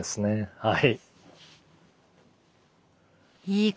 はい。